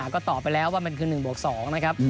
ก็ตอบไปแล้วว่ามันคือ๑บวก๒นะครับ